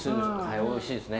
おいしいですね。